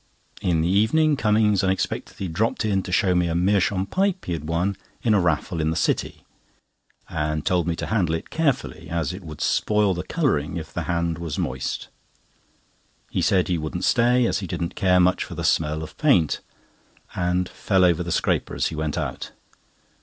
In the evening, Cummings unexpectedly dropped in to show me a meerschaum pipe he had won in a raffle in the City, and told me to handle it carefully, as it would spoil the colouring if the hand was moist. He said he wouldn't stay, as he didn't care much for the smell of the paint, and fell over the scraper as he went out.